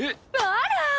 あら！